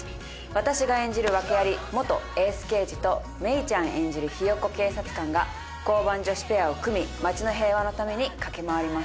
私が演じる訳あり元エース刑事と芽郁ちゃん演じるひよっこ警察官が交番女子ペアを組み街の平和のために駆け回ります。